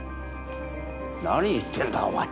何言ってんだお前。